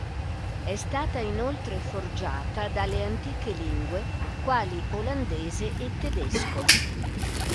È stata inoltre forgiata dalle antiche lingue quali olandese e tedesco.